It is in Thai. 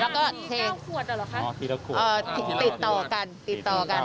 อ่ามี๙ขวดอ่ะเหรอคะอ๋อติดต่อกันติดต่อกัน